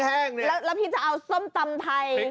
แล้วพี่จะเอาส้มตำไทย